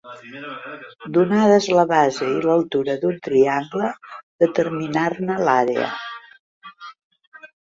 Donades la base i l'altura d'un triangle, determinar-ne l'àrea.